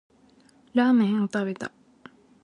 ラーメンを食べた